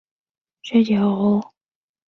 犯人还需要戴上竖长圆锥形帽子。